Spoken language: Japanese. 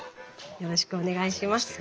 よろしくお願いします。